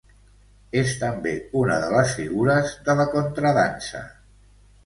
És també una de les figures de la contradansa.